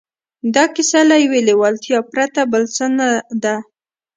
دا کیسه له یوې لېوالتیا پرته بل څه نه ده